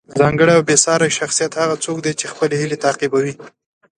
ځانګړی او بې ساری شخصیت هغه څوک دی چې خپلې هیلې تعقیبوي.